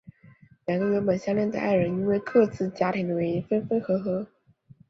两个原本相恋的爱人因为各自家庭的原因分分合合。